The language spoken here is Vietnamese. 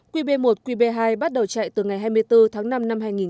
qb một qb hai bắt đầu chạy từ ngày hai mươi bốn tháng năm năm hai nghìn hai mươi